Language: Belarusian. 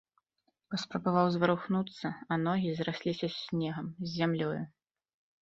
Паспрабаваў зварухнуцца, а ногі зрасліся з снегам, з зямлёю.